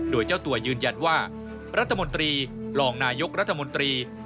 โดยเจ้าตัวยืนยันว่ารัฐมนตรีรองนายกรัฐมนตรี